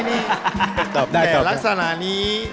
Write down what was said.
แต่ลักษณะนี้